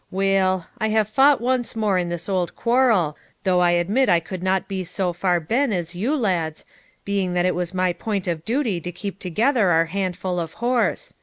Weel I have fought once more in this old quarrel, though I admit I could not be so far BEN as you lads, being that it was my point of duty to keep together our handful of horse.